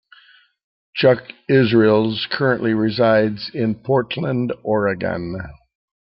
Chuck Israels currently resides in Portland, Oregon.